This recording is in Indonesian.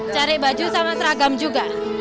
cari baju sama seragam juga